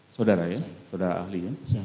saudara ya saudara ahli